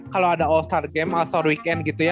kalau ada all star game atau weekend gitu ya